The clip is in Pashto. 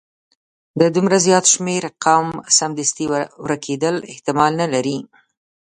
د دومره زیات شمیر قوم سمدستي ورکیدل احتمال نه لري.